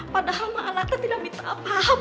padahal ma alatnya tidak minta apa apa